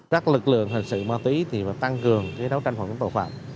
các lực lượng hình sự ma túy tăng cường đấu tranh phản ứng tội phạm